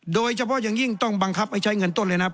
โดยเฉพาะอย่างยิ่งต้องบังคับให้ใช้เงินต้นเลยนะครับ